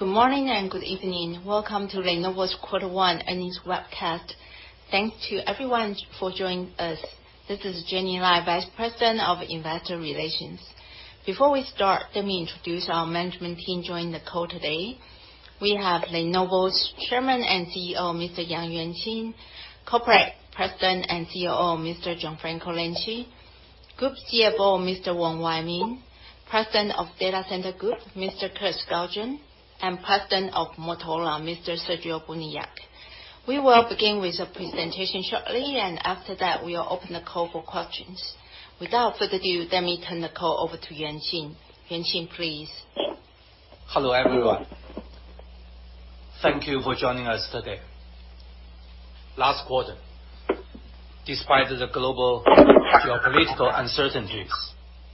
Good morning and good evening. Welcome to Lenovo's Quarter 1 Earnings webcast. Thanks to everyone for joining us. This is Jenny Lai, Vice President of Investor Relations. Before we start, let me introduce our management team joining the call today. We have Lenovo's Chairman and CEO, Mr. Yang Yuanqing, Corporate President and COO, Mr. Gianfranco Lanci, Group CFO, Mr. Wong Wai Ming, President of Data Center Group, Mr. Kirk Skaugen, and President of Motorola, Mr. Sergio Buniac. We will begin with a presentation shortly, and after that, we will open the call for questions. Without further ado, let me turn the call over to Yuanqing. Yuanqing, please. Hello, everyone. Thank you for joining us today. Last quarter, despite the global geopolitical uncertainties,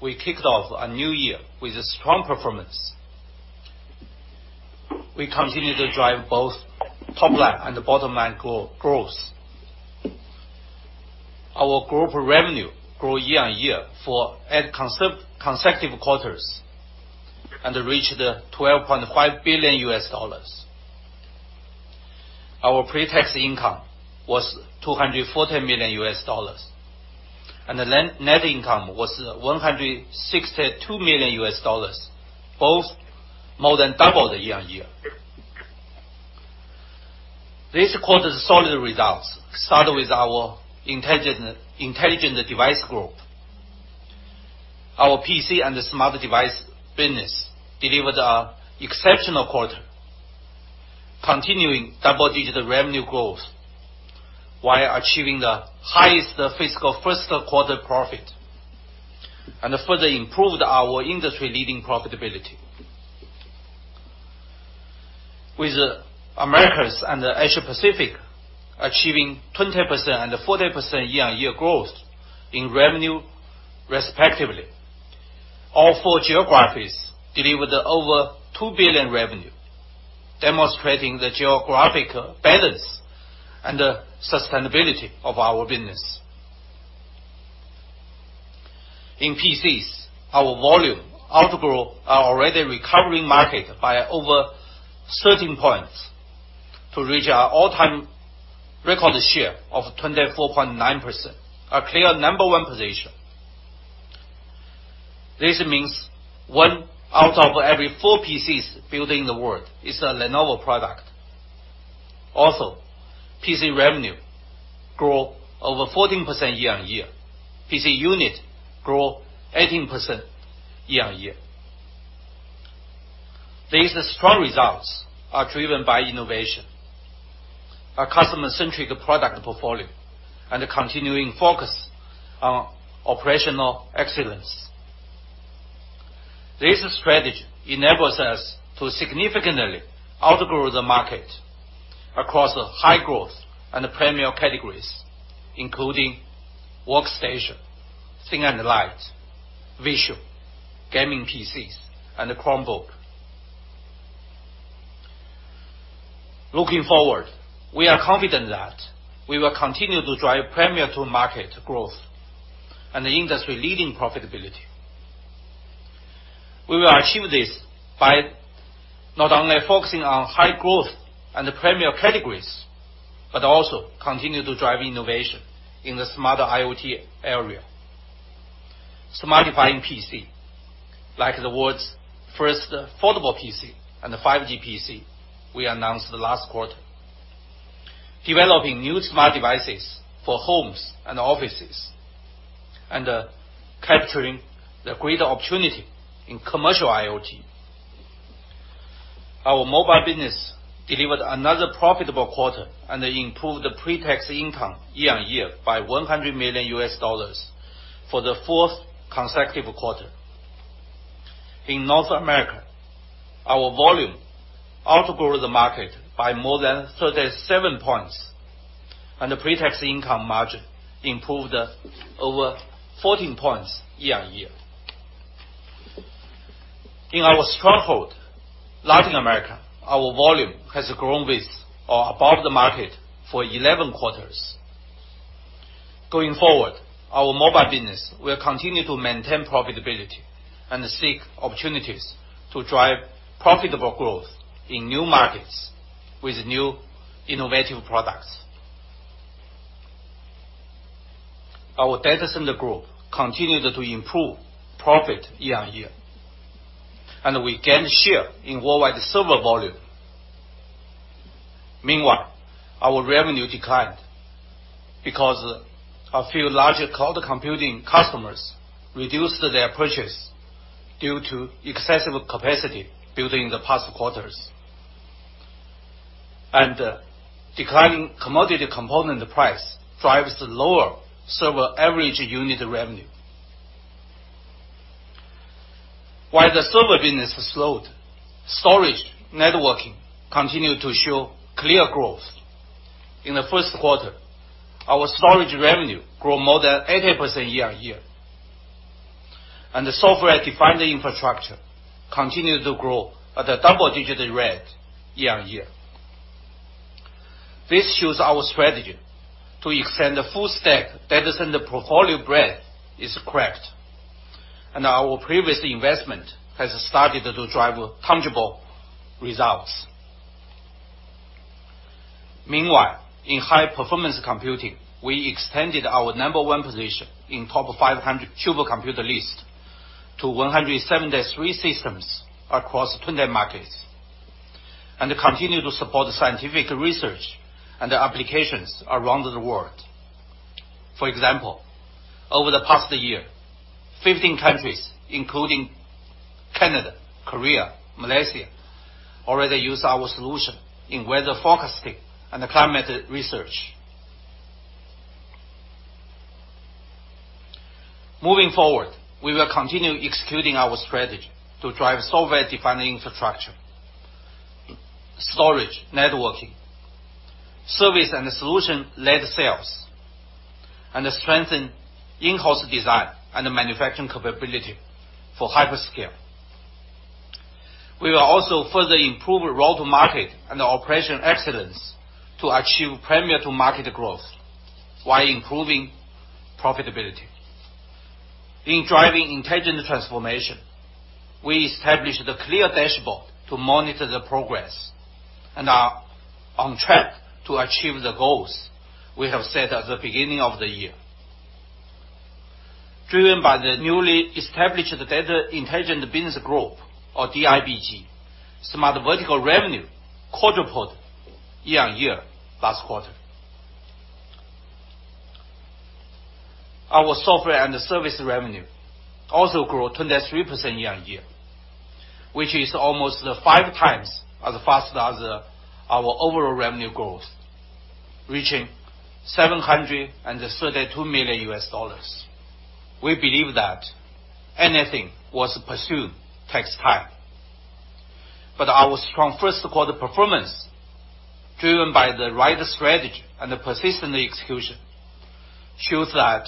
we kicked off a new year with a strong performance. We continue to drive both top-line and bottom-line growth. Our group revenue grew year-over-year for eight consecutive quarters and reached $12.5 billion. Our pre-tax income was $240 million, and the net income was $162 million, both more than double the year-over-year. This quarter's solid results start with our intelligent device growth. Our PC and Smart Device business delivered an exceptional quarter, continuing double-digit revenue growth while achieving the highest fiscal first quarter profit and further improved our industry-leading profitability. With Americas and Asia Pacific achieving 20% and 40% year-over-year growth in revenue respectively. All four geographies delivered over $2 billion revenue, demonstrating the geographic balance and sustainability of our business. In PCs, our volume outgrew our already recovering market by over 13 points to reach an all-time record share of 24.9%, a clear number one position. This means one out of every four PCs built in the world is a Lenovo product. PC revenue grew over 14% year-on-year. PC unit grew 18% year-on-year. These strong results are driven by innovation, a customer-centric product portfolio, and a continuing focus on operational excellence. This strategy enables us to significantly outgrow the market across the high growth and premier categories, including workstation, thin and light, Visuals, gaming PCs, and the Chromebook. Looking forward, we are confident that we will continue to drive premier to market growth and the industry-leading profitability. We will achieve this by not only focusing on high growth and the premier categories, but also continue to drive innovation in the smarter IoT area. Smartifying PC, like the world's first foldable PC and the 5G PC we announced the last quarter. Developing new smart devices for homes and offices, and capturing the greater opportunity in commercial IoT. Our mobile business delivered another profitable quarter and improved the pre-tax income year-on-year by $100 million for the fourth consecutive quarter. In North America, our volume outgrew the market by more than 37 points, and the pre-tax income margin improved over 14 points year-on-year. In our stronghold, Latin America, our volume has grown with or above the market for 11 quarters. Going forward, our mobile business will continue to maintain profitability and seek opportunities to drive profitable growth in new markets with new innovative products. Our Data Center Group continued to improve profit year-on-year, and we gained share in worldwide server volume. Our revenue declined because a few larger cloud computing customers reduced their purchase due to excessive capacity built in the past quarters. Declining commodity component price drives lower server average unit revenue. While the server business slowed, storage networking continued to show clear growth. In the first quarter, our storage revenue grew more than 80% year-on-year, and the software-defined infrastructure continued to grow at a double-digit rate year-on-year. This shows our strategy to extend the full stack data center portfolio breadth is correct, and our previous investment has started to drive tangible results. In high-performance computing, we extended our number one position in TOP500 supercomputer list to 173 systems across 20 markets, and continue to support scientific research and applications around the world. For example, over the past year, 15 countries, including Canada, Korea, Malaysia, already use our solution in weather forecasting and climate research. Moving forward, we will continue executing our strategy to drive software-defined infrastructure, storage, networking, service and solution-led sales, and strengthen in-house design and manufacturing capability for hyperscale. We will also further improve road to market and operation excellence to achieve premier to market growth while improving profitability. In driving intelligent transformation, we established a clear dashboard to monitor the progress and are on track to achieve the goals we have set at the beginning of the year. Driven by the newly established Data Intelligence Business Group, or DIBG, smart vertical revenue quadrupled year-on-year last quarter. Our software and service revenue also grew 23% year-on-year, which is almost five times as fast as our overall revenue growth, reaching $732 million. We believe that anything worth pursuing takes time. Our strong first quarter performance, driven by the right strategy and persistent execution, shows that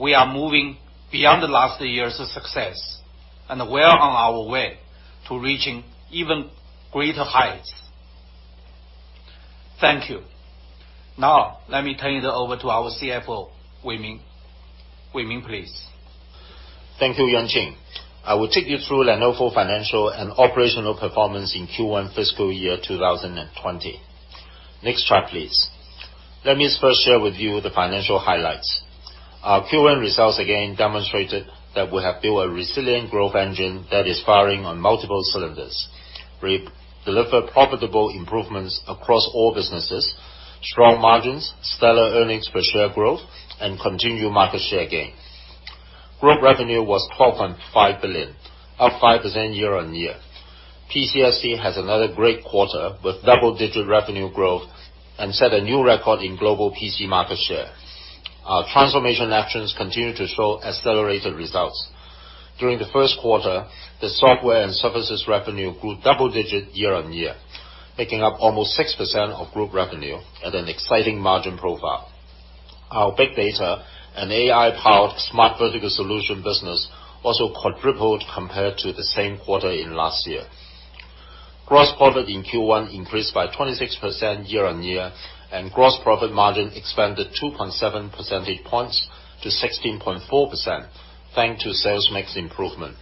we are moving beyond last year's success and well on our way to reaching even greater heights. Thank you. Now, let me turn it over to our CFO, Wai Ming. Wai Ming please. Thank you, Yuanqing. I will take you through Lenovo financial and operational performance in Q1 fiscal year 2020. Next chart, please. Let me first share with you the financial highlights. Our Q1 results again demonstrated that we have built a resilient growth engine that is firing on multiple cylinders. We delivered profitable improvements across all businesses, strong margins, stellar earnings per share growth, and continued market share gain. Group revenue was $12.5 billion, up 5% year-on-year. PCSD had another great quarter with double-digit revenue growth and set a new record in global PC market share. Our transformation actions continue to show accelerated results. During the first quarter, the software and services revenue grew double-digit year-on-year, making up almost 6% of group revenue at an exciting margin profile. Our big data and AI-powered smart vertical solution business also quadrupled compared to the same quarter in last year. Gross profit in Q1 increased by 26% year-on-year, and gross profit margin expanded 2.7 percentage points to 16.4% thanks to sales mix improvement.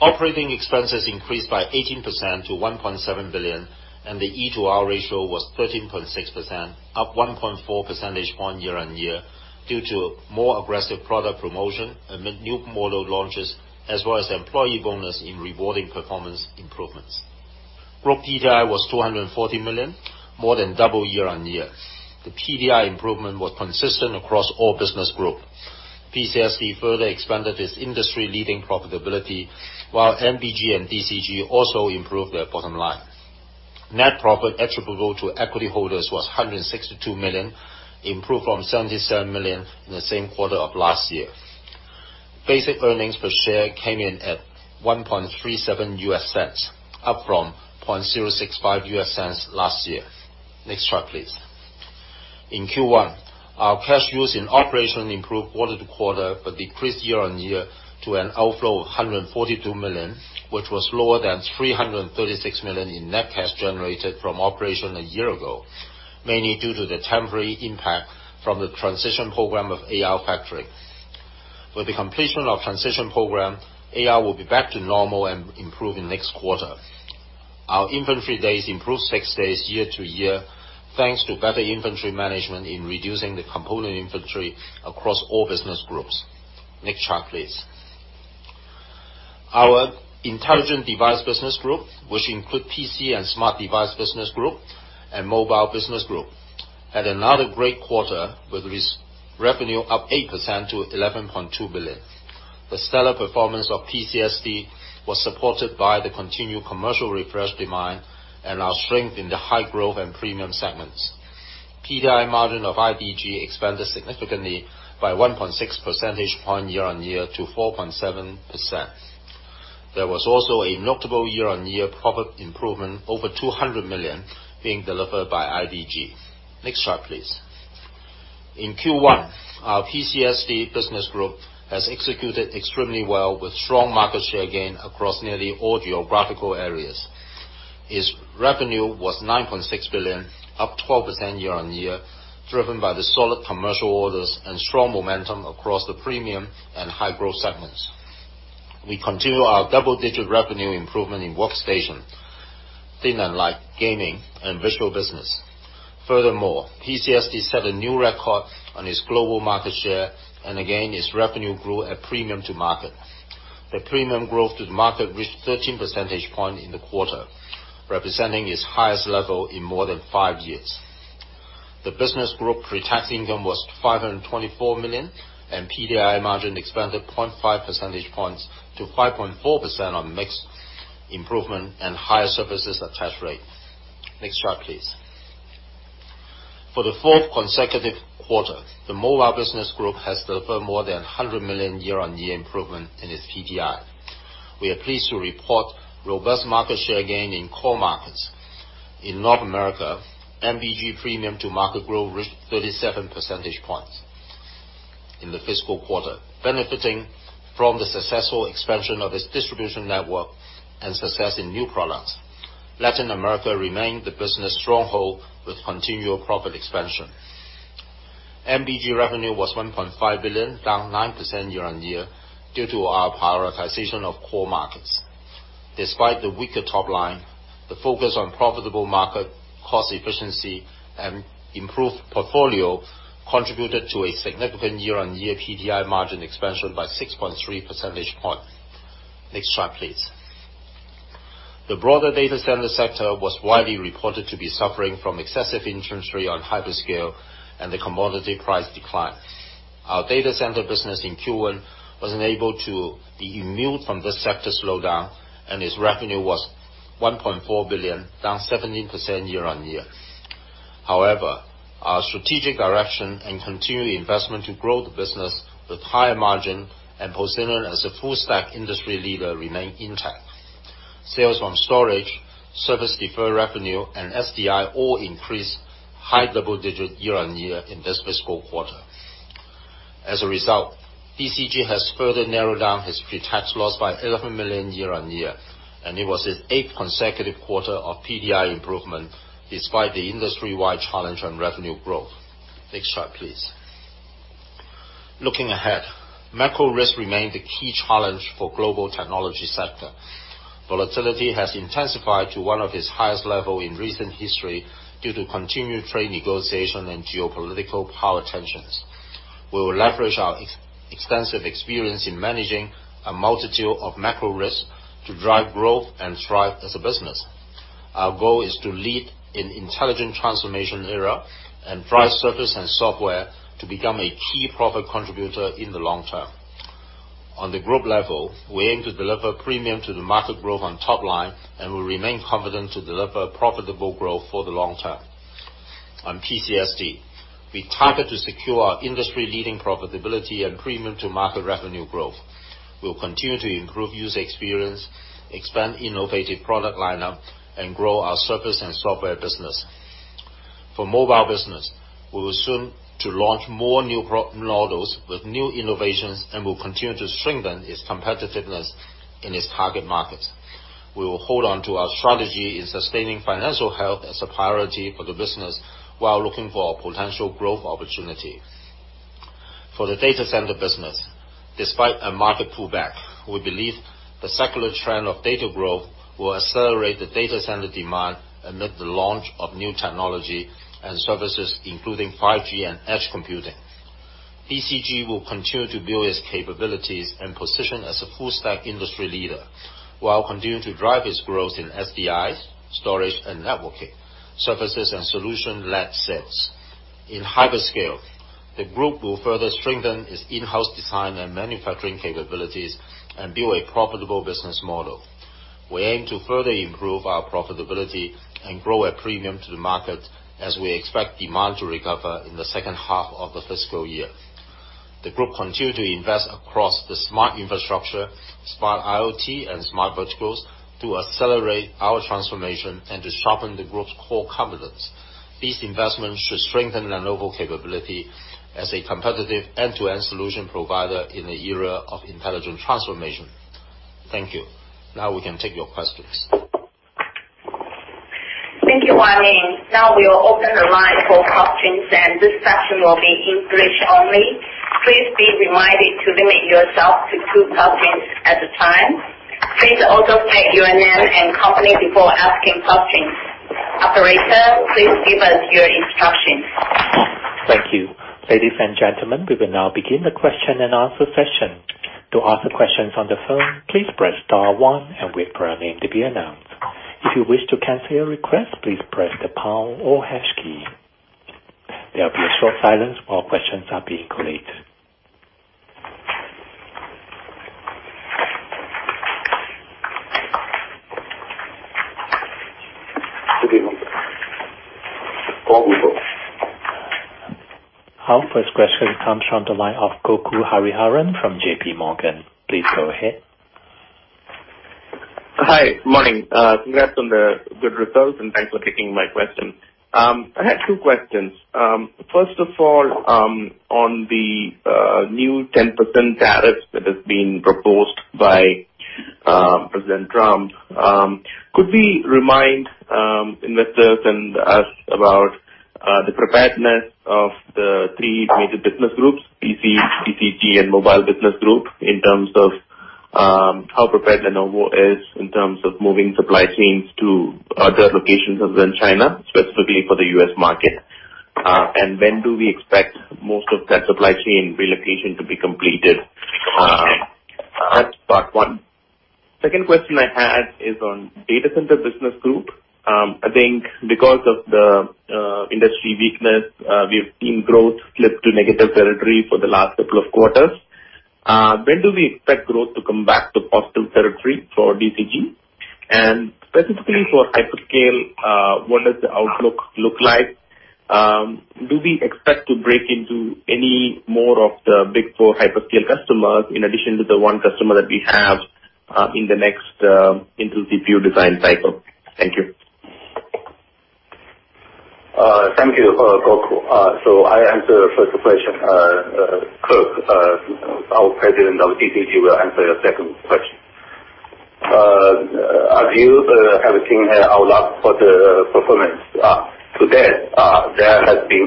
Operating expenses increased by 18% to $1.7 billion, and the E/R ratio was 13.6%, up 1.4 percentage point year-on-year, due to more aggressive product promotion amid new model launches, as well as employee bonus in rewarding performance improvements. Group PDI was $240 million, more than double year-on-year. The PDI improvement was consistent across all business groups. PCSD further expanded its industry-leading profitability, while MBG and DCG also improved their bottom line. Net profit attributable to equity holders was $162 million, improved from $77 million in the same quarter of last year. Basic earnings per share came in at $0.0137, up from $0.00065 last year. Next chart, please. In Q1, our cash use in operation improved quarter-to-quarter but decreased year-on-year to an outflow of $142 million, which was lower than $336 million in net cash generated from operation a year ago. Mainly due to the temporary impact from the transition program of AR factory. With the completion of transition program, AR will be back to normal and improve in next quarter. Our inventory days improved six days year-to-year, thanks to better inventory management in reducing the component inventory across all business groups. Next chart, please. Our Intelligent Device Business Group, which include PCs and Smart Devices business group and Mobile Business Group, had another great quarter with revenue up 8% to $11.2 billion. The stellar performance of PCSD was supported by the continued commercial refresh demand and our strength in the high-growth and premium segments. PDI margin of IDG expanded significantly by 1.6 percentage point year-on-year to 4.7%. There was also a notable year-on-year profit improvement over $200 million being delivered by IDG. Next chart, please. In Q1, our PCSD business group has executed extremely well with strong market share gain across nearly all geographical areas. Its revenue was $9.6 billion, up 12% year-on-year, driven by the solid commercial orders and strong momentum across the premium and high-growth segments. We continue our double-digit revenue improvement in workstation, thin and light gaming, and Visuals business. PCSD set a new record on its global market share, and again, its revenue grew at premium to market. The premium growth to the market reached 13 percentage points in the quarter, representing its highest level in more than five years. The business group pre-tax income was $524 million, and PDI margin expanded 0.5 percentage points to 5.4% on mix improvement and higher services attach rate. Next chart, please. For the fourth consecutive quarter, the Mobile Business Group has delivered more than $100 million year-on-year improvement in its PDI. We are pleased to report robust market share gain in core markets. In North America, MBG premium to market growth reached 37 percentage points in the fiscal quarter, benefiting from the successful expansion of its distribution network and success in new products. Latin America remained the business stronghold with continual profit expansion. MBG revenue was $1.5 billion, down 9% year-on-year, due to our prioritization of core markets. Despite the weaker top line, the focus on profitable market, cost efficiency, and improved portfolio contributed to a significant year-on-year PDI margin expansion by 6.3 percentage points. Next chart, please. The broader data center sector was widely reported to be suffering from excessive inventory on hyperscale and the commodity price decline. Our Data Center business in Q1 was unable to be immune from this sector slowdown, and its revenue was $1.4 billion, down 17% year-on-year. However, our strategic direction and continued investment to grow the business with higher margin and position it as a full-stack industry leader remained intact. Sales from storage, service deferred revenue, and SDI all increased high double digits year-on-year in this fiscal quarter. As a result, DCG has further narrowed down its pre-tax loss by $11 million year-on-year, and it was its eighth consecutive quarter of PDI improvement despite the industry-wide challenge on revenue growth. Next chart, please. Looking ahead, macro risk remains the key challenge for global technology sector. Volatility has intensified to one of its highest levels in recent history due to continued trade negotiation and geopolitical power tensions. We will leverage our extensive experience in managing a multitude of macro risks to drive growth and thrive as a business. Our goal is to lead in the intelligent transformation era and drive service and software to become a key profit contributor in the long term. On the group level, we aim to deliver premium to the market growth on top line, and we remain confident to deliver profitable growth for the long term. On PCSD, we target to secure our industry-leading profitability and premium-to-market revenue growth. We'll continue to improve user experience, expand innovative product lineup, and grow our service and software business. For mobile business, we will soon launch more new models with new innovations and will continue to strengthen its competitiveness in its target markets. We will hold on to our strategy in sustaining financial health as a priority for the business while looking for potential growth opportunities. For the data center business, despite a market pullback, we believe the secular trend of data growth will accelerate the data center demand amid the launch of new technology and services, including 5G and edge computing. DCG will continue to build its capabilities and position as a full-stack industry leader, while continuing to drive its growth in SDIs, storage and networking, services and solution-led sales. In hyperscale, the group will further strengthen its in-house design and manufacturing capabilities and build a profitable business model. We aim to further improve our profitability and grow at premium to the market as we expect demand to recover in the second half of the fiscal year. The group continue to invest across the smart infrastructure, smart IoT, and smart verticals to accelerate our transformation and to sharpen the group's core competence. These investments should strengthen Lenovo capability as a competitive end-to-end solution provider in the era of intelligent transformation. Thank you. Now we can take your questions. Thank you, Wai Ming. Now we will open the line for questions, and this session will be in English only. Please be reminded to limit yourself to two questions at a time. Please also state your name and company before asking questions. Operator, please give us your instructions. Thank you. Ladies and gentlemen, we will now begin the question-and-answer session. To ask a question on the phone, please press star one and wait for your name to be announced. If you wish to cancel your request, please press the pound or hash key. There will be a short silence while questions are being collated. Our first question comes from the line of Gokul Hariharan from J.P. Morgan. Please go ahead. Hi, morning. Congrats on the good results, thanks for taking my question. I had two questions. First of all, on the new 10% tariff that has been proposed by President Trump, could we remind investors and us about the preparedness of the three major business groups, PC, DCG, and mobile business group, in terms of how prepared Lenovo is in terms of moving supply chains to other locations other than China, specifically for the U.S. market? When do we expect most of that supply chain relocation to be completed? That's part one. Second question I had is on Data Center Group. I think because of the industry weakness, we've seen growth slip to negative territory for the last couple of quarters. When do we expect growth to come back to positive territory for DCG? Specifically for hyperscale, what does the outlook look like? Do we expect to break into any more of the big four hyperscale customers in addition to the one customer that we have in the next Intel CPU design cycle? Thank you. Thank you, Gokul. I answer first question. Kirk, our President of DCG, will answer your second question. As you have seen our last quarter performance, to date, there has been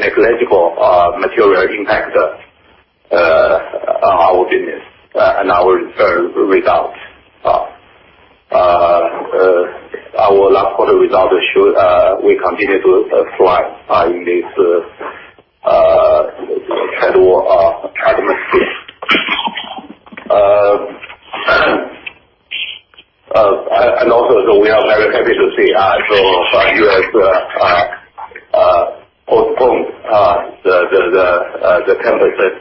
negligible material impact on our business and our results. Our last quarter results show we continue to thrive in this kind of atmosphere. Also, we are very happy to see the U.S. postponed the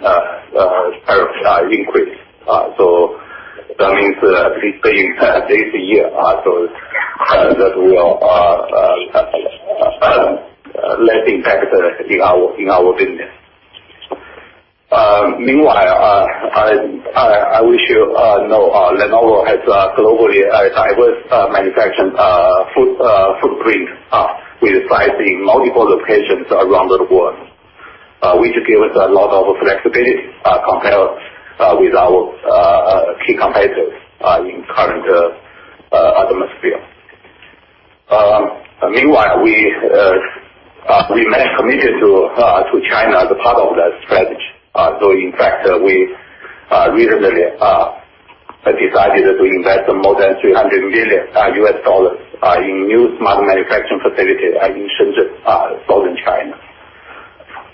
10% tariff increase. That means at least this year, that will have less impact in our business. Meanwhile, I wish you know Lenovo has globally a diverse manufacturing footprint with sites in multiple locations around the world, which give us a lot of flexibility compared with our key competitors in current atmosphere. Meanwhile, we remain committed to China as a part of that strategy. In fact, we recently decided to invest more than $300 million in new smart manufacturing facilities in Shenzhen, Southern China.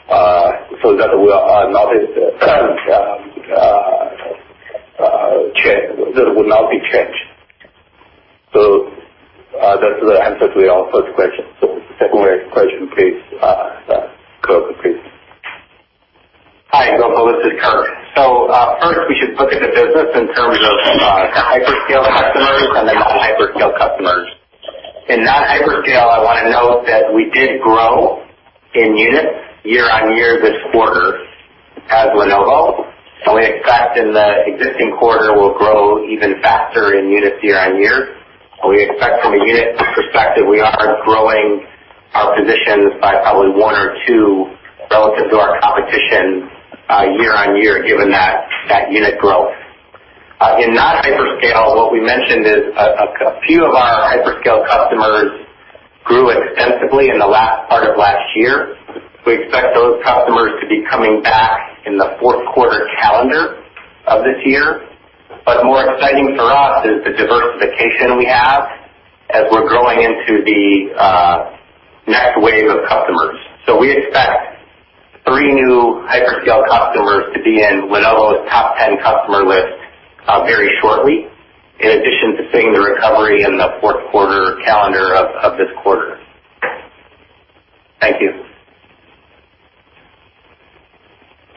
That will not be changed. That's the answer to your first question. The second question, please, Kirk. Hi, Gokul. This is Kirk. First, we should look at the business in terms of hyperscale customers and then not hyperscale customers. In not hyperscale, I want to note that we did grow in units year-on-year this quarter as Lenovo, we expect in the existing quarter we'll grow even faster in units year-on-year. We expect from a unit perspective, we are growing our positions by probably one or two relative to our competition year-on-year, given that unit growth. In not hyperscale, what we mentioned is a few of our hyperscale customers grew extensively in the latter part of last year. We expect those customers to be coming back in the fourth quarter calendar of this year. More exciting for us is the diversification we have as we're growing into the next wave of customers. We expect three new hyperscale customers to be in Lenovo's top 10 customer list very shortly, in addition to seeing the recovery in the fourth quarter calendar of this quarter. Thank you.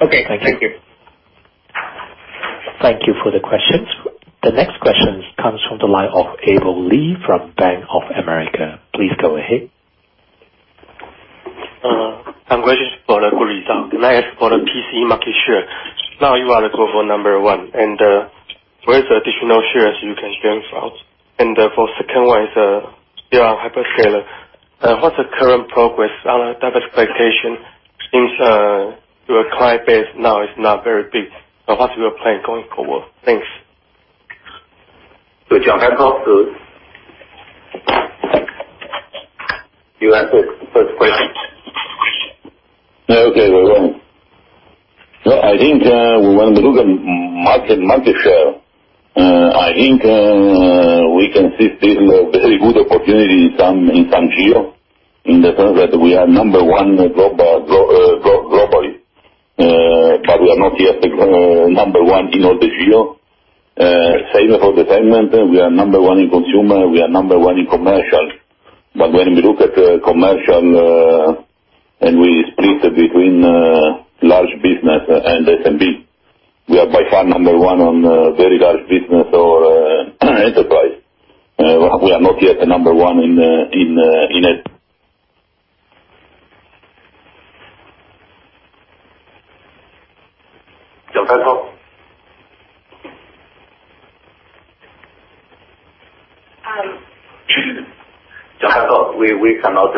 Okay. Thank you. Thank you. Thank you for the questions. The next question comes from the line of Abel Lee from Bank of America. Please go ahead. Congratulations for the good results. Can I ask for the PC market share? Now you are the global number one, and where is the additional shares you can gain from? For second one is on hyperscaler. What's the current progress on diversification since your client base now is not very big? What's your plan going forward? Thanks. Gianfranco, you answer the first question. Okay. No, I think when we look at market share, I think we can see still a very good opportunity in some geo, in the sense that we are number one globally. We are not yet the number one in all the geo. Same for the segment. We are number one in consumer. We are number one in commercial. When we look at commercial, and we split between large business and SMB, we are by far number one on very large business or enterprise. We are not yet the number one in SMB. Gianfranco, we cannot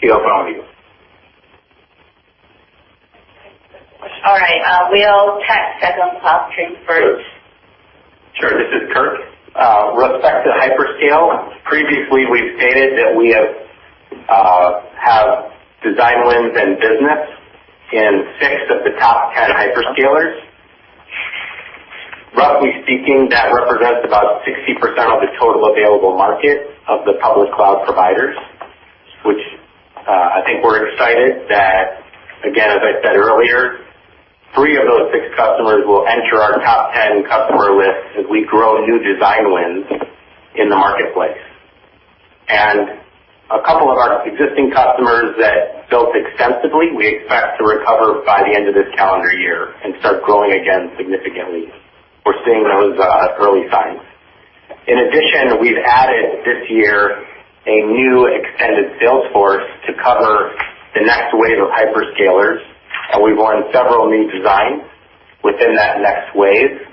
hear from you. All right. We'll test second question first. Sure. This is Kirk. With respect to hyperscale, previously we've stated that we have design wins and business in six of the top 10 hyperscalers. Roughly speaking, that represents about 60% of the total available market of the public cloud providers, which I think we're excited that, again, as I said earlier, three of those six customers will enter our top 10 customer list as we grow new design wins in the marketplace. A couple of our existing customers that built extensively, we expect to recover by the end of this calendar year and start growing again significantly. We're seeing those early signs. In addition, we've added this year a new extended sales force to cover the next wave of hyperscalers, and we've won several new designs within that next wave.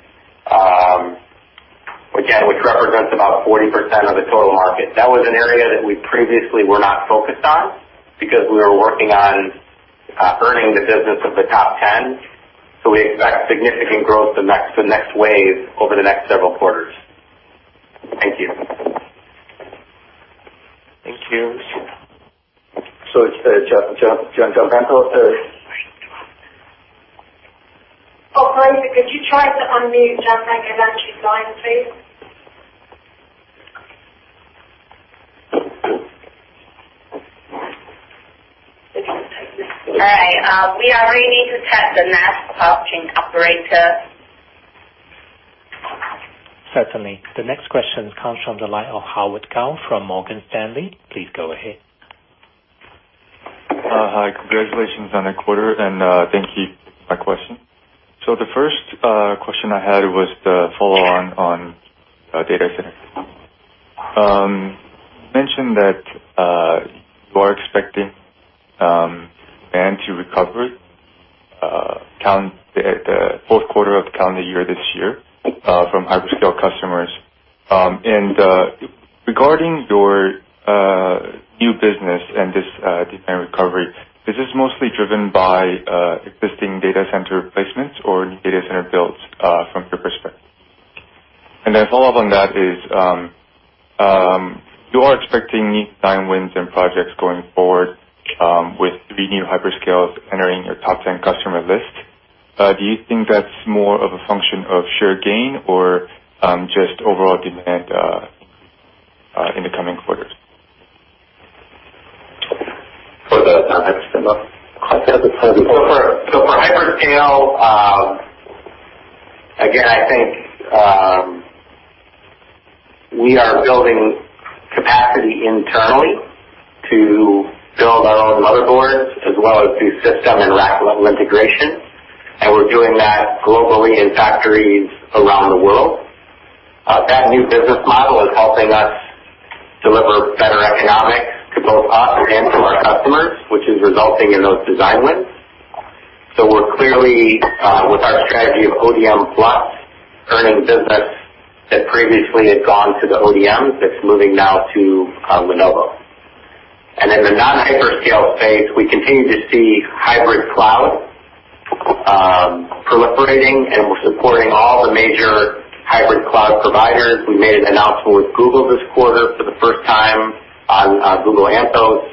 Which represents about 40% of the total market. That was an area that we previously were not focused on because we were working on earning the business of the top 10. We expect significant growth the next wave over the next several quarters. Thank you. Thank you. Gianfranco. Operator, could you try to unmute Gianfranco Lanci's line, please? All right. We need to test the next question, operator. Certainly. The next question comes from the line of Howard Kao from Morgan Stanley. Please go ahead. Hi. Congratulations on the quarter. Thank you for my question. The first question I had was the follow on data center. You mentioned that you are expecting demand to recover at the fourth quarter of the calendar year this year from hyperscale customers. Regarding your new business and this design recovery, is this mostly driven by existing data center replacements or new data center builds from your perspective? Follow up on that is, you are expecting design wins and projects going forward with three new hyperscales entering your top 10 customer list. Do you think that's more of a function of share gain or just overall demand increase in the coming quarters? For the hyperscaler. For hyperscale, again I think, we are building capacity internally to build our own motherboards as well as do system and rack-level integration, and we're doing that globally in factories around the world. That new business model is helping us deliver better economics to both us and to our customers, which is resulting in those design wins. We're clearly, with our strategy of ODM+, earning business that previously had gone to the ODMs, that's moving now to Lenovo. In the non-hyperscale space, we continue to see hybrid cloud proliferating, and we're supporting all the major hybrid cloud providers. We made an announcement with Google this quarter for the first time on Google Anthos.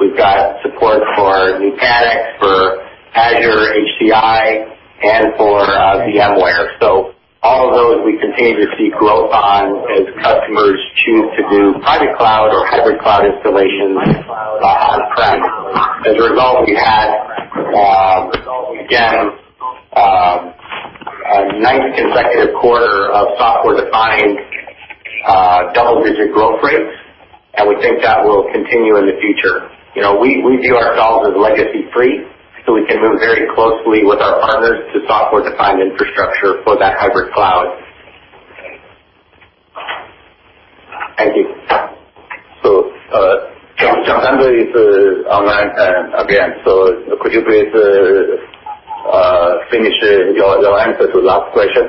We've got support for Nutanix, for Azure, HCI, and for VMware. All of those we continue to see growth on as customers choose to do private cloud or hybrid cloud installations on-prem. We had again, a ninth consecutive quarter of software-defined double-digit growth rates, and we think that will continue in the future. We view ourselves as legacy-free, so we can move very closely with our partners to software-defined infrastructure for that hybrid cloud. Thank you. Gianfranco is online again. Could you please finish your answer to last question?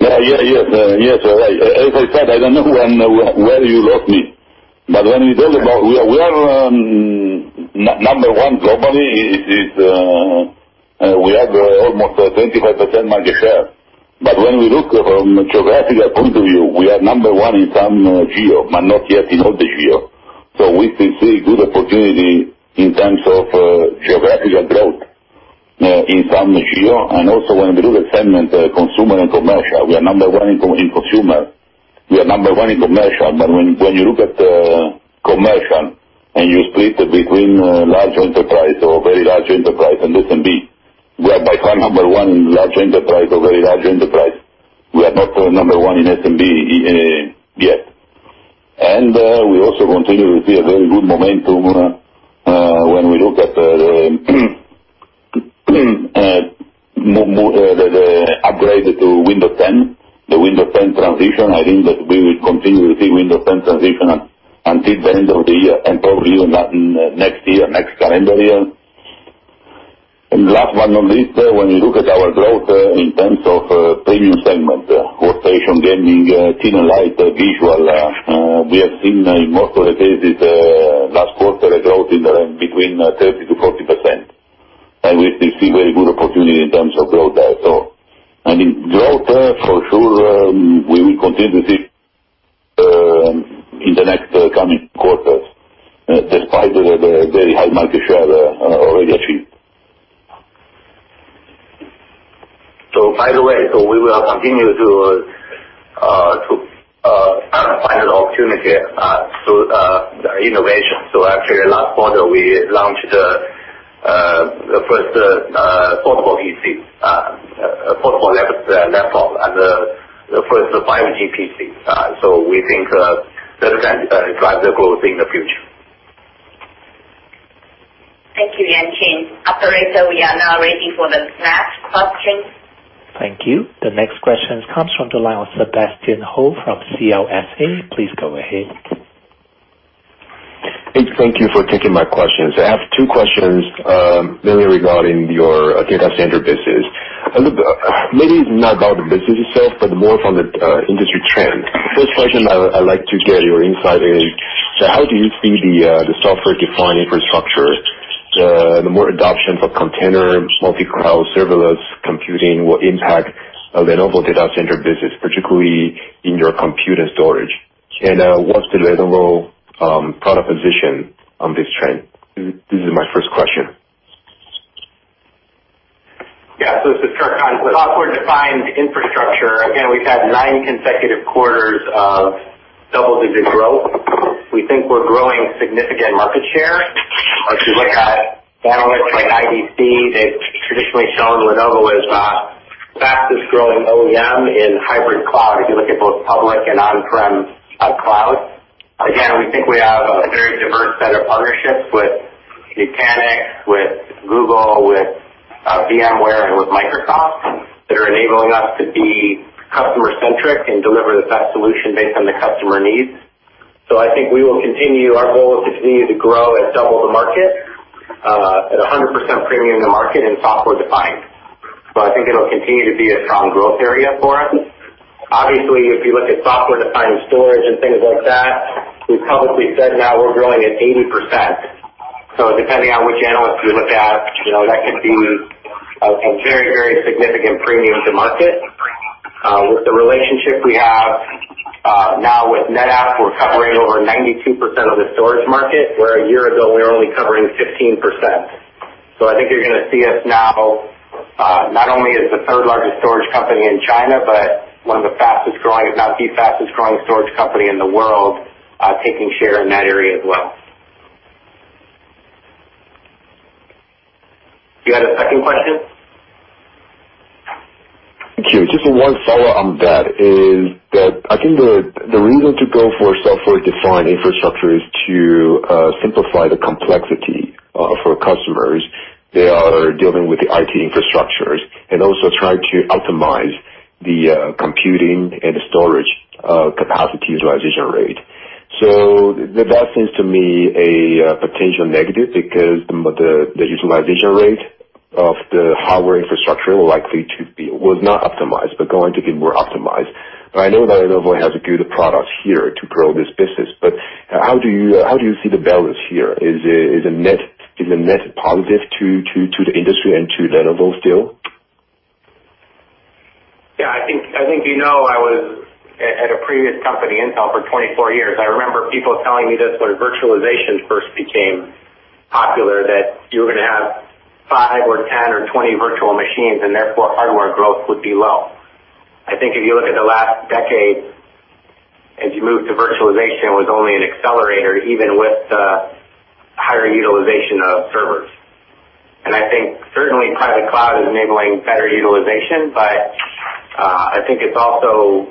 Yeah. As I said, I don't know where you lost me. When you talk about we are number one globally, we have almost 25% market share. When we look from a geographical point of view, we are number one in some GEO, not yet in all the GEO. We still see good opportunity in terms of geographical growth in some GEO. Also when we do the segment consumer and commercial, we are number one in consumer. We are number one in commercial. When you look at commercial and you split between large enterprise or very large enterprise and SMB, we are by far number one large enterprise or very large enterprise. We are not number one in SMB yet. We also continue to see a very good momentum when we look at the upgrade to Windows 10, the Windows 10 transition. I think that we will continue to see Windows 10 transition until the end of the year and probably even next year, next calendar year. Last but not least, when you look at our growth in terms of premium segment, workstation gaming, thin and light, Visuals, we have seen in most of the cases last quarter a growth in the range between 30%-40%. We still see very good opportunity in terms of growth there. I mean, growth, for sure, we will continue to see in the next coming quarters, despite the very high market share already achieved. By the way, we will continue to find an opportunity through innovation. Actually, last quarter, we launched the first portable PC, portable laptop, and the first 5G PC. We think that can drive the growth in the future. Thank you, Yuanqing. Operator, we are now ready for the next question. Thank you. The next question comes from the line of Sebastian Hou from CLSA. Please go ahead. Thanks. Thank you for taking my questions. I have two questions mainly regarding your data center business. Look, maybe it's not about the business itself, but more from the industry trend. First question I'd like to get your insight is, how do you see the software-defined infrastructure, the more adoption for container, multi-cloud, serverless computing will impact Lenovo data center business, particularly in your compute and storage? What's the Lenovo product position on this trend? This is my first question. Yeah. This is Kirk Skaugen. Software-defined infrastructure, again, we've had nine consecutive quarters of double-digit growth. We think we're growing significant market share. If you look at analysts like IDC, they've traditionally shown Lenovo as the fastest-growing OEM in hybrid cloud, if you look at both public and on-prem cloud. Again, we think we have a very diverse set of partnerships with Nutanix, with Google, with VMware, and with Microsoft that are enabling us to be customer-centric and deliver the best solution based on the customer needs. I think we will continue. Our goal is to continue to grow at double the market, at 100% premium to market in software-defined. I think it'll continue to be a strong growth area for us. Obviously, if you look at software-defined storage and things like that, we've publicly said now we're growing at 80%. Depending on which analyst you look at, that could be a very, very significant premium to market. With the relationship we have now with NetApp, we're covering over 92% of the storage market, where a year ago, we were only covering 15%. I think you're going to see us now not only as the third-largest storage company in China, but one of the fastest-growing, if not the fastest-growing storage company in the world, taking share in that area as well. You had a second question? Thank you. Just one follow-on that is that I think the reason to go for software-defined infrastructure is to simplify the complexity for customers that are dealing with the IT infrastructures and also try to optimize the computing and storage capacity utilization rate. That seems to me a potential negative because the utilization rate of the hardware infrastructure was not optimized, but going to be more optimized. I know that Lenovo has a good product here to grow this business, but how do you see the balance here? Is it a net positive to the industry and to Lenovo still? Yeah, I think you know I was at a previous company, Intel, for 24 years. I remember people telling me this when virtualization first became popular, that you were going to have five or 10 or 20 virtual machines, and therefore hardware growth would be low. I think if you look at the last decade, as you move to virtualization, it was only an accelerator, even with the higher utilization of servers. I think certainly private cloud is enabling better utilization, but I think it's also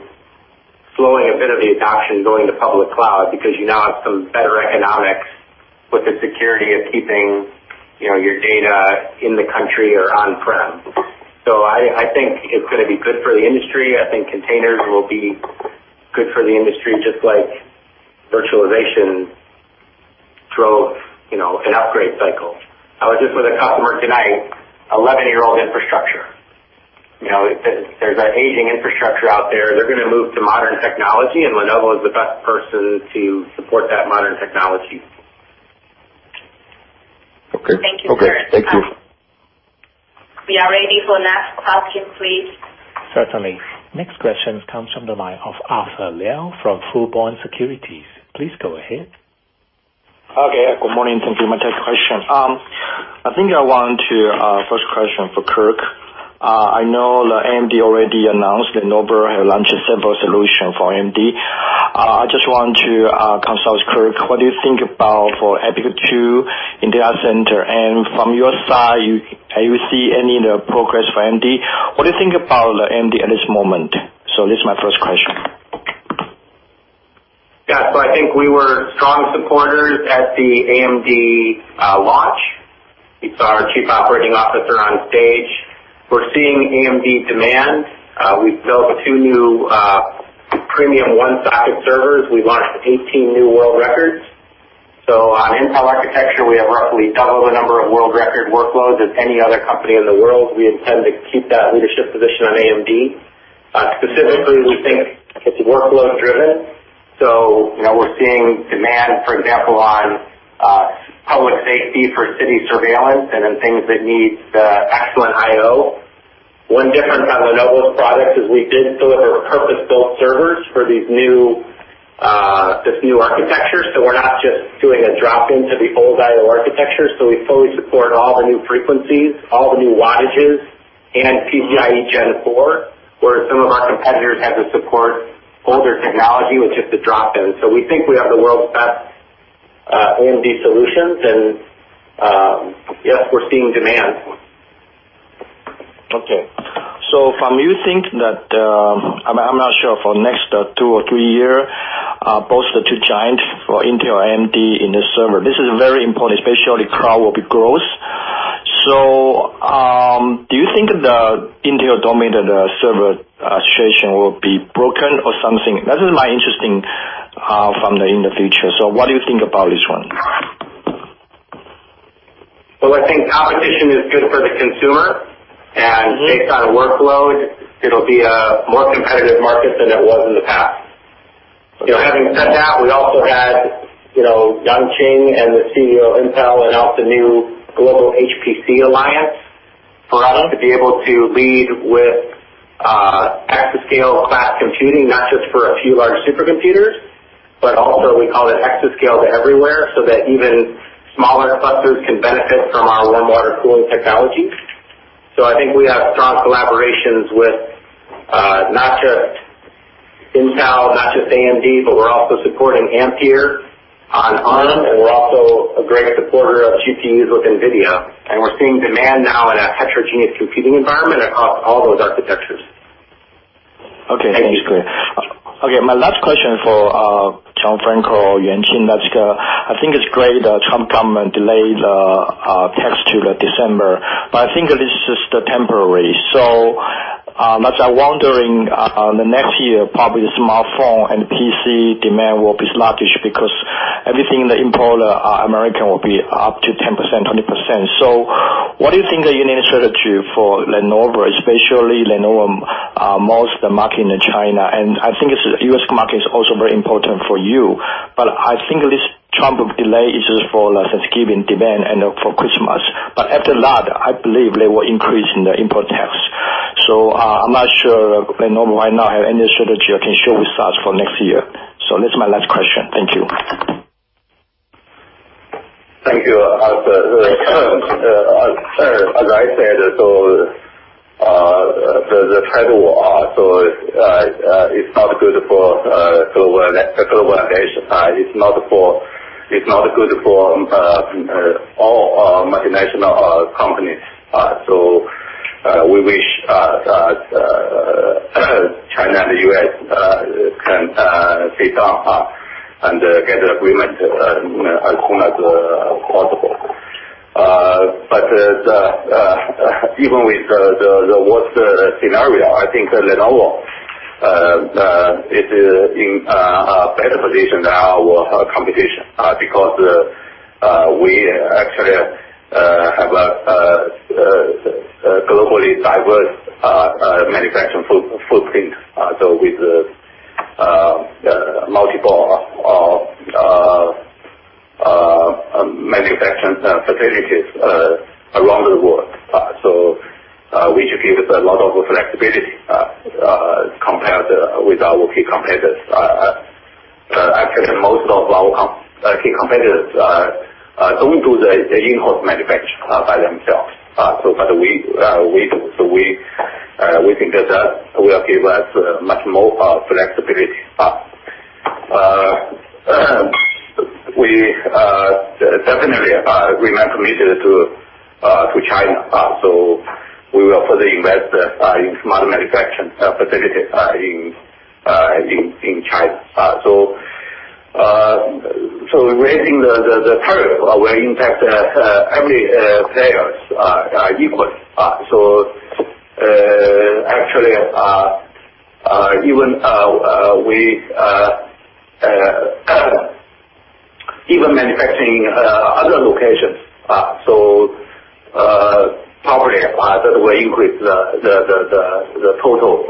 slowing a bit of the adoption going to public cloud because you now have some better economics with the security of keeping your data in the country or on-prem. I think it's going to be good for the industry. I think containers will be good for the industry, just like virtualization drove an upgrade cycle. I was just with a customer tonight, 11-year-old infrastructure. There's that aging infrastructure out there. They're going to move to modern technology, and Lenovo is the best person to support that modern technology. Okay. Thank you, Kirk. Okay. Thank you. We are ready for next question, please. Certainly. Next question comes from the line of Arthur Liao from Fubon Securities. Please go ahead. Okay. Good morning. Thank you. My third question. First question for Kirk. I know the AMD already announced Lenovo have launched several solution for AMD. I just want to consult Kirk, what do you think about for EPYC 2 in data center? From your side, have you seen any progress for AMD? What do you think about AMD at this moment? This is my first question. I think we were strong supporters at the AMD launch. You saw our chief operating officer on stage. We're seeing AMD demand. We've built two new premium one-socket servers. We launched 18 new world records. On Intel architecture, we have roughly double the number of world record workloads as any other company in the world. We intend to keep that leadership position on AMD. Specifically, we think it's workload-driven. We're seeing demand, for example, on public safety for city surveillance and in things that need excellent IO. One difference on Lenovo's products is we did deliver purpose-built servers for these new architectures. We're not just doing a drop-in to the old IO architecture. We fully support all the new frequencies, all the new wattages, and PCIe Gen 4, whereas some of our competitors had to support older technology, which is a drop-in. We think we have the world's best AMD solutions and yes, we're seeing demand. Okay. From you think that, I'm not sure for next two or three year, both the two giant for Intel, AMD in the server. This is very important, especially cloud will be growth. Do you think the Intel-dominated server association will be broken or something? That is my interesting from the in the future. What do you think about this one? I think competition is good for the consumer, and based on workload, it'll be a more competitive market than it was in the past. Having said that, we also had Yuanqing and the CEO of Intel announce the new Global HPC Alliance for us to be able to lead with exascale-class computing, not just for a few large supercomputers, but also we call it exascale to everywhere, so that even smaller clusters can benefit from our warm water cooling technologies. I think we have strong collaborations with, not just Intel, not just AMD, but we're also supporting Ampere on Arm, and we're also a great supporter of GPUs with Nvidia. We're seeing demand now in a heterogeneous computing environment across all those architectures. Thanks. My last question for Gianfranco, Yuanqing, I think it's great that Trump come and delay the tax till December, I think this is just temporary. So much I'm wondering on the next year, probably the smartphone and PC demand will be sluggish because everything the import American will be up to 10%, 20%. What do you think the unit strategy for Lenovo, especially Lenovo most the market in China, I think it's U.S. market is also very important for you, I think this Trump delay is just for Thanksgiving demand and for Christmas. After that, I believe they will increase in the import tax. I'm not sure Lenovo right now have any strategy can share with us for next year. That's my last question. Thank you. Thank you. As I said, the trade war, so it's not good for globalization. It's not good for all multinational companies. We wish that China and the U.S. can sit down and get an agreement as soon as possible. Even with the worst scenario, I think Lenovo is in a better position than our competition because we actually have a globally diverse manufacturing footprint. With multiple manufacturing facilities around the world, which gives a lot of flexibility compared with our key competitors. Actually, most of our key competitors don't do the in-house manufacture by themselves. We do. We think that will give us much more flexibility. We definitely remain committed to China. We will further invest in smart manufacturing facilities in China. Raising the tariff will impact every player equally. Actually, even manufacturing other locations. Probably that will increase the total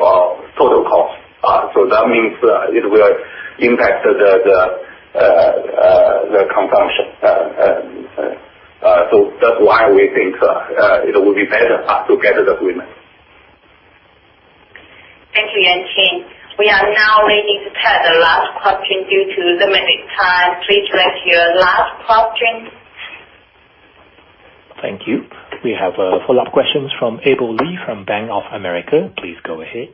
cost. That means it will impact the consumption. That's why we think it will be better to get an agreement. Thank you, Yuanqing. We are now ready to take the last question due to limited time. Please let your last question. Thank you. We have a follow-up questions from Abel Lee from Bank of America. Please go ahead.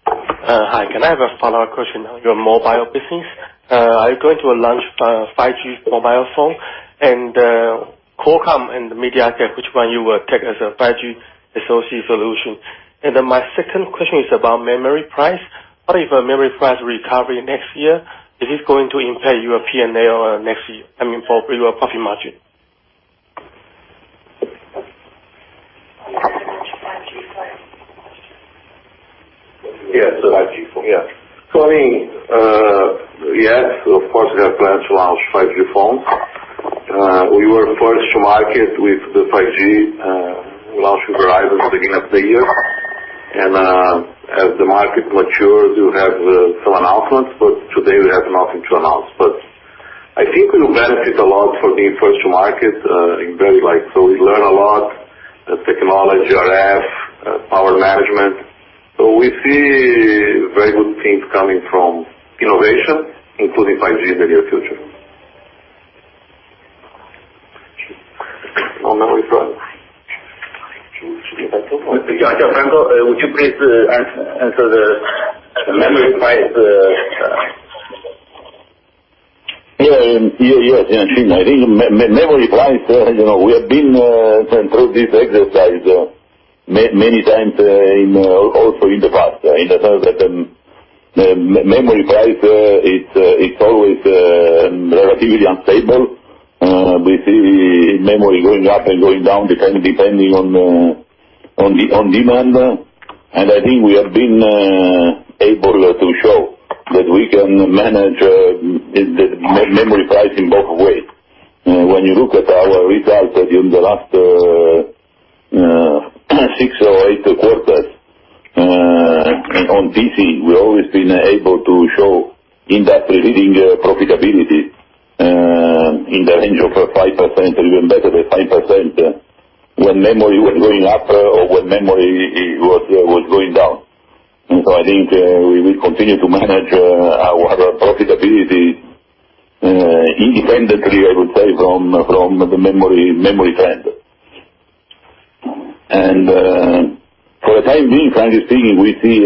Hi. Can I have a follow-up question on your mobile business? Are you going to launch mobile phone, Qualcomm and MediaTek, which one you will take as a 5G associate solution? My second question is about memory price. What if a memory price recovery next year, is this going to impact your P&L next year, for your profit margin? Yes. 5G phone. Yeah. Yes, of course, we have plans to launch 5G phone. We were first to market with the 5G, launched with Verizon beginning of the year. As the market matures, we'll have some announcements, but today we have nothing to announce. I think we will benefit a lot for being first to market, in very like, so we learn a lot, the technology, RF, power management. We see very good things coming from innovation, including 5G in the near future. On memory price. Gianfranco, would you please answer the memory price? Yes, I think memory price, we have been, friend, through this exercise, many times, also in the past, in the sense that, memory price, it's always relatively unstable. We see memory going up and going down depending on demand. I think we have been able to show that we can manage memory price in both ways. When you look at our results during the last, six or eight quarters, on PC, we've always been able to show industry-leading profitability, in the range of 5%, or even better than 5%, when memory was going up or when memory was going down. I think we will continue to manage our profitability independently, I would say, from the memory trend. For the time being, frankly speaking, we see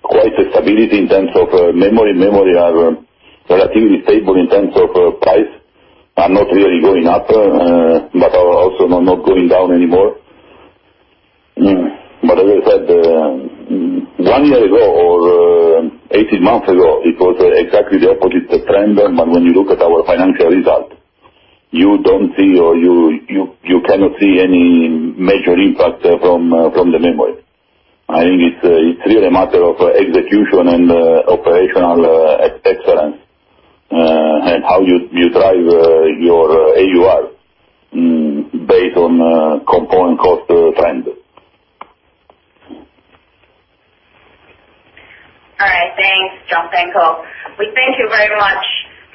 quite a stability in terms of memory. Memory are relatively stable in terms of price, and not really going up, but also not going down anymore. As I said, one year ago, or 18 months ago, it was exactly the opposite trend. When you look at our financial result, you don't see, or you cannot see any major impact from the memory. I think it's really a matter of execution and operational excellence, and how you drive your AUR based on component cost trend. All right. Thanks, Gianfranco. We thank you very much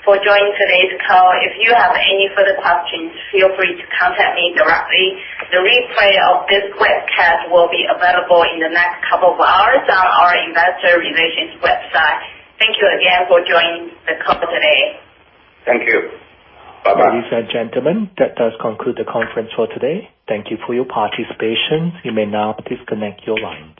for joining today's call. If you have any further questions, feel free to contact me directly. The replay of this webcast will be available in the next couple of hours on our investor relations website. Thank you again for joining the call today. Thank you. Bye-bye. Ladies and gentlemen, that does conclude the conference for today. Thank you for your participation. You may now disconnect your line.